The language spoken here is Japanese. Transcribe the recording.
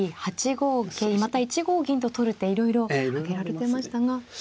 五桂また１五銀と取る手いろいろ挙げられてましたが。